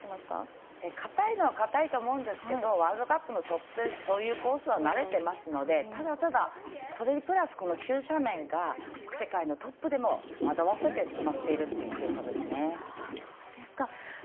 かたいのはかたいと思うんですけどワールドカップのトップ選手そういうコースは慣れていますのでただただ、それにプラス急斜面が、世界のトップでも惑わせてしまっているという急さです。